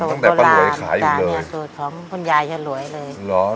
ตั้งแต่ปะหลวยขายอยู่เลยสูดของคุณยายหลวยเลยหรอ